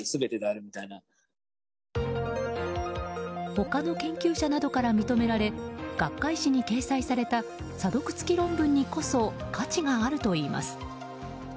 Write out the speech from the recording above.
他の研究者などから認められ学会誌に掲載された査読付き論文にこそ価値があるといいます。